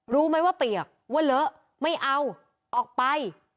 รู้ไหมว่าเปียกว่าเลอะไม่เอาออกไป